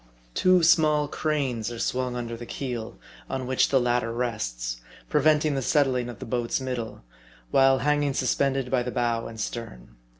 Two small cranes are swung under the keel, on which the latter rests, preventing the settling of the boat's middle, while hanging suspended by the bow and stern.